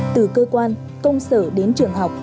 từ cơ quan công sở đến trường học